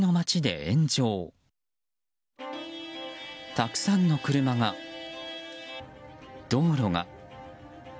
たくさんの車が、道路が。